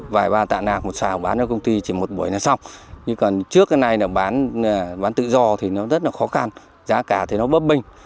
vài ba tạ nạc một xào bán ở công ty chỉ một buổi là xong nhưng còn trước cái này là bán tự do thì nó rất là khó khăn giá cả thì nó bớt binh